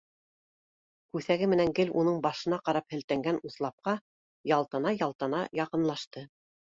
Күҫәге менән гел уның башына ҡарап һелтәнгән уҫлапҡа ялтана-ялтана, яҡынлашты